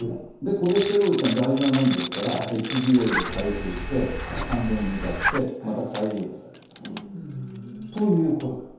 コレステロールというのは大事なものですからＨＤＬで回収して肝臓に向かってまた再利用されると。ということなんです。